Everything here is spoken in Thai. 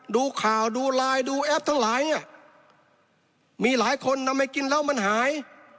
ดูข่าวดูไลน์ดูแอปทั้งหลายเนี่ยมีหลายคนทำไมกินแล้วมันหาย